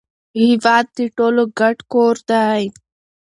هیواد د ټولو ګډ کور دی.